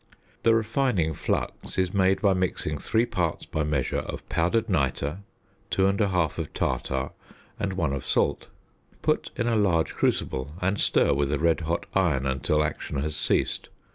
The refining flux is made by mixing 3 parts (by measure) of powdered nitre, 2 1\2 of tartar, and 1 of salt. Put in a large crucible, and stir with a red hot iron until action has ceased.